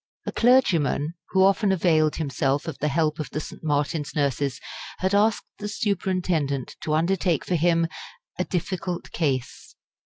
A clergyman who often availed himself of the help of the St. Martin's nurses had asked the superintendent to undertake for him "a difficult case."